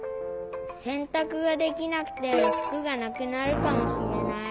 せんたくができなくてふくがなくなるかもしれない。